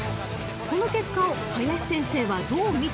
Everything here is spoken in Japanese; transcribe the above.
［この結果を林先生はどう見ているのか？］